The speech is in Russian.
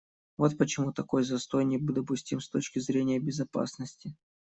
Вот почему такой застой недопустим с точки зрения безопасности.